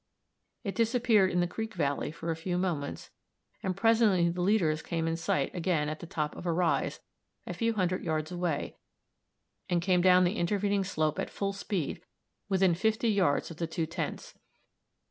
It disappeared in the creek valley for a few moments, and presently the leaders suddenly came in sight again at the top of "a rise" a few hundred yards away, and came down the intervening slope at full speed, within 50 yards of the two tents.